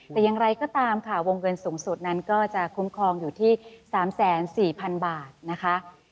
แต่อย่างไรก็ตามค่ะวงเงินสูงสุดนั้นก็จะคุ้มครองอยู่ที่๓๔๐๐๐บาทนะคะ